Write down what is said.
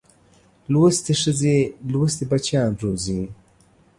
لوستې ښځې لوستي بچیان روزي